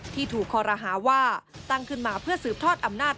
ที่ถูกคอรหาว่าตั้งขึ้นมาเพื่อสืบทอดอำนาจ